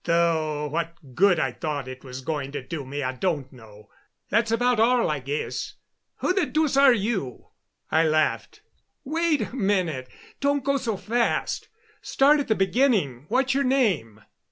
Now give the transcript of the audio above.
"Though what good I thought it was going to do me I don't know. That's about all, I guess. Who the deuce are you?" I laughed. "Wait a minute don't go so fast. Start at the beginning. What's your name?"